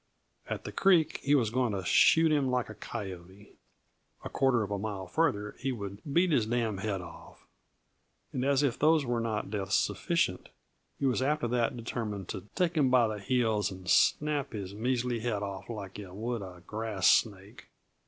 At the creek, he was going to "shoot him like a coyote." A quarter of a mile farther, he would "beat his damn' head off," and, as if those were not deaths sufficient, he was after that determined to "take him by the heels and snap his measly head off like yuh would a grass snake!"